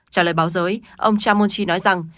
trả lời báo giới ông chammochi nói rằng